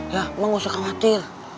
ya mama gak usah khawatir